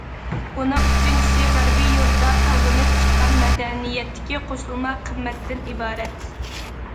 ئۇنىڭ ئۈچىنچىسى، غەربى يۇرتتا تاۋلىنىپ چىققان مەدەنىيەتتىكى قوشۇلما قىممەتتىن ئىبارەت.